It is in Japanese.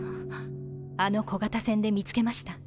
あの小型船で見つけました。